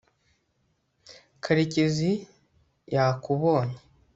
karekezi yakubonye